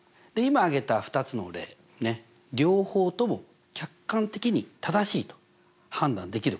今挙げた２つの例両方とも客観的に正しいと判断できることです。